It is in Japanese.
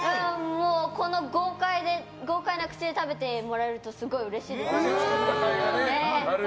この豪快な口で食べてもらえるとすごいうれしいです。